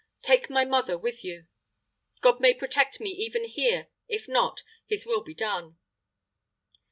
Take my mother with you. God may protect me even here. If not, his will be done."